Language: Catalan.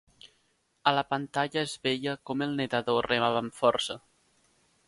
A la pantalla es veia com el nedador remava amb força.